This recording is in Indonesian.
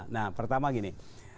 nah pertama gini